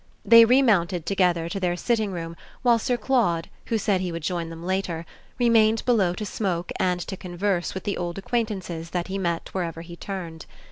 They remounted together to their sitting room while Sir Claude, who said he would join them later, remained below to smoke and to converse with the old acquaintances that he met wherever he turned.